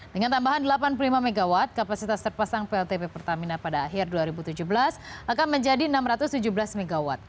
dengan tambahan delapan puluh lima mw kapasitas terpasang pltp pertamina pada akhir dua ribu tujuh belas akan menjadi enam ratus tujuh belas mw